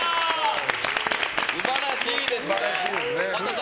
素晴らしいですね。